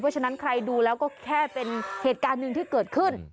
เพราะฉะนั้นใครดูแล้วก็แค่เป็นเหตุการณ์หนึ่งที่เกิดขึ้น